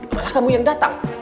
malah kamu yang datang